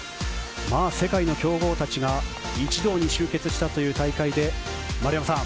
世界の強豪たちが一堂に集結したという大会で丸山さん